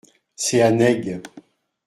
C’est Annaig.